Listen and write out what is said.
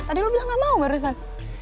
tadi lo bilang gak mau barusan